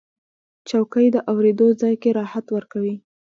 چوکۍ د اورېدو ځای کې راحت ورکوي.